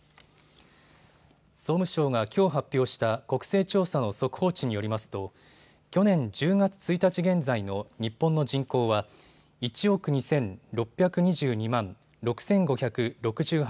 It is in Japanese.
総務省がきょう発表した国勢調査の速報値によりますと去年１０月１日現在の日本の人口は１億２６２２万６５６８